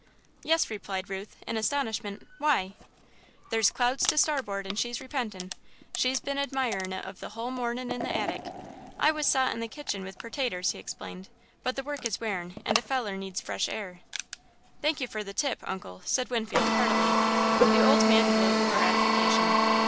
"Yes," replied Ruth, in astonishment, "why?" "There's clouds to starboard and she's repentin'. She's been admirin' of it the hull mornin' in the attic. I was sot in the kitchen with pertaters," he explained, "but the work is wearin' and a feller needs fresh air." "Thank you for the tip, Uncle," said Winfield, heartily. The old man glowed with gratification.